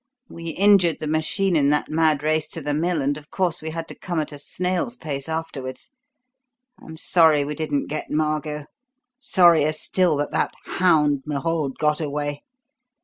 We injured the machine in that mad race to the mill, and of course we had to come at a snail's pace afterwards. I'm sorry we didn't get Margot sorrier still that that hound Merode got away.